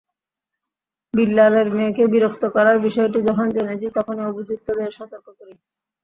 বিল্লালের মেয়েকে বিরক্ত করার বিষয়টি যখন জেনেছি, তখনই অভিযুক্তদের সতর্ক করি।